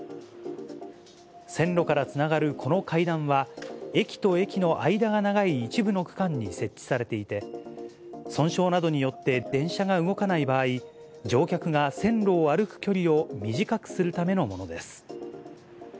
線路からつながるこの階段は、駅と駅の間が長い一部の区間に設置されていて、損傷などによって電車が動かない場合、乗客が線路を歩く距離を短くするためのものです。